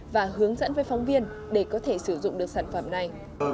và hướng dẫn với phóng viên để có thể sử dụng được sản phẩm này